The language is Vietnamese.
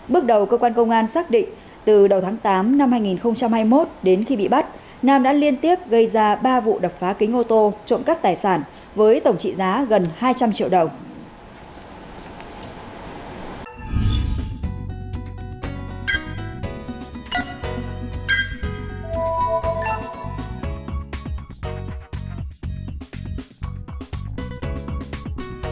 bước đầu cơ quan công an xác định từ đầu tháng tám năm hai nghìn hai mươi một đến khi bị bắt nam đã liên tiếp gây ra ba vụ đập phá kính ô tô trộm các tài sản với tổng trị giá gần hai trăm linh triệu đồng